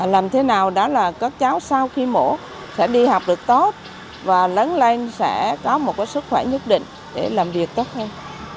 làm thế nào đó là các cháu sau khi mổ sẽ đi học được tốt và lớn lên sẽ có một sức khỏe nhất định để làm việc tốt hơn